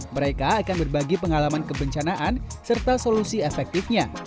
mereka akan berbagi pengalaman kebencanaan serta solusi efektifnya